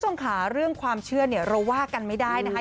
คุณผู้ชมค่ะเรื่องความเชื่อเนี่ยเราว่ากันไม่ได้นะคะ